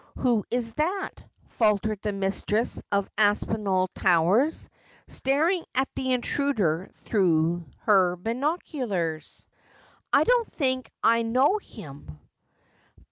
' Who is \hat 1 ' faltered the mistress of Aspinall Towers, staring at the intruder through her binoculars. ' I don't think I know him.'